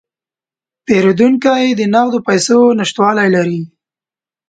پیرودونکی د نغدو پیسو نشتوالی لري.